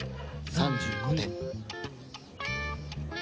３５点。